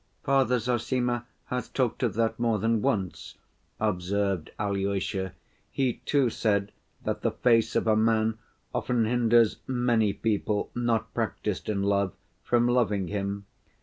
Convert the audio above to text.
"Father Zossima has talked of that more than once," observed Alyosha; "he, too, said that the face of a man often hinders many people not practiced in love, from loving him.